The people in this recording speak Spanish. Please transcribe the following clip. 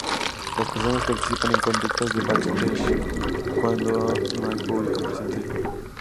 Las personas participan en conductas de "back stage" cuando no hay público presente.